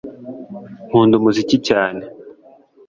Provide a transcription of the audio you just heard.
nkunda umuziki cyane pe